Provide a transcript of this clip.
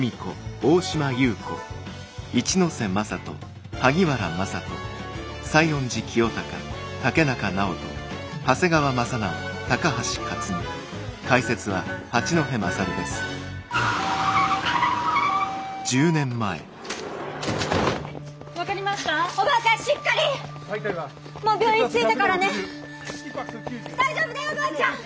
大丈夫だよおばあちゃん！